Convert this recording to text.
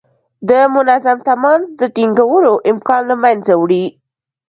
د منظم تماس د ټینګولو امکان له منځه وړي.